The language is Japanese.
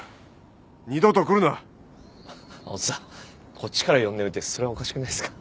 こっちから呼んどいてそれはおかしくないですか。